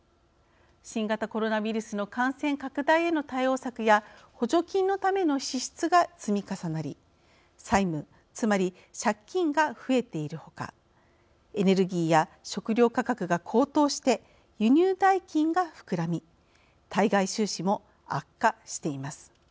新型コロナウイルスの感染拡大への対応策や補助金のための支出が積み重なり債務、つまり借金が増えている他エネルギーや食料価格が高騰して輸入代金が膨らみ対外収支も悪化しています。